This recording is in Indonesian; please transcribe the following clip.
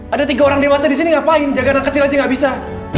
ada tiga orang dewasa disini ngapain jagaanan kecil aja gak bisa